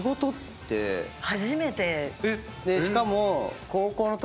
しかも。